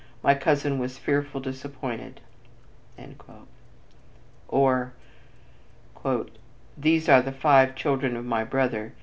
My cousin was fearful disappointed." Or, "These are the five children of my brother.